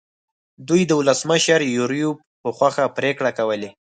دوی د ولسمشر یوریب په خوښه پرېکړې کولې.